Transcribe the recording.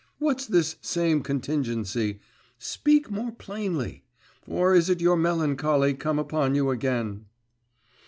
What's this same contingency? Speak more plainly. Or is it your melancholy come upon you again?